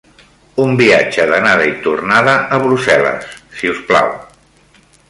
Un viatge d'anada i tornada a Brussel·les, si us plau.